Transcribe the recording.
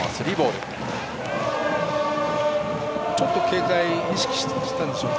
ちょっと警戒意識したんでしょうか。